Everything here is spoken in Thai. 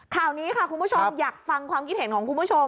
ข่าวนี้ค่ะคุณผู้ชมอยากฟังความคิดเห็นของคุณผู้ชม